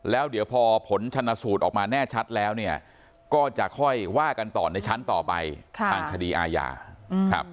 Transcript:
แล้วเดี๋ยวพอผลชนสูตรออกมาแน่ชัดแล้วเนี่ยก็จะค่อยว่ากันต่อในชั้นต่อไปทางคดีอาญาครับ